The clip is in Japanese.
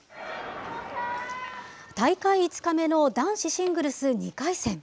大会５日目の男子シングルス２回戦。